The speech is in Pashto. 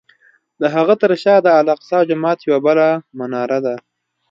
د هغه تر شا د الاقصی جومات یوه بله مناره ده.